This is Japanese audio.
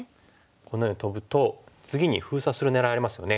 このようにトブと次に封鎖する狙いありますよね。